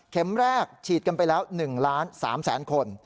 เข็มแรกฉีดกันไปแล้ว๑๓๐๐๐๐๐คน